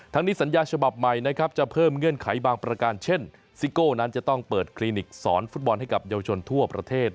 นี้สัญญาฉบับใหม่นะครับจะเพิ่มเงื่อนไขบางประการเช่นซิโก้นั้นจะต้องเปิดคลินิกสอนฟุตบอลให้กับเยาวชนทั่วประเทศ